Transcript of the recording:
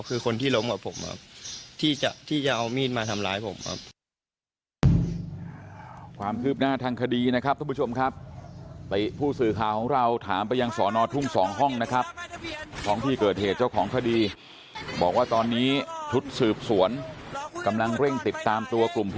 คือคนที่ล้มกับผมที่จะเอามีดมาทำร้ายผม